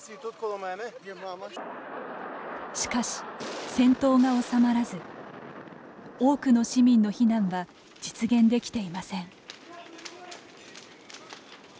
しかし、戦闘がおさまらず多くの市民の避難は実現できていません。